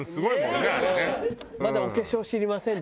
「まだお化粧知りません」